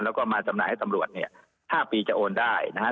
แล้วก็มาจำหน่ายให้ตำรวจเนี่ย๕ปีจะโอนได้นะฮะ